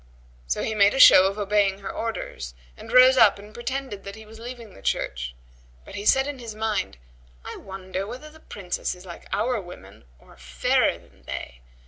So he made a show of obeying her orders and rose up and pretended that he was leaving the church; but he said in his mind, "I wonder whether the Princess is like our women or fairer than they!